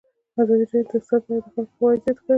ازادي راډیو د اقتصاد په اړه د خلکو پوهاوی زیات کړی.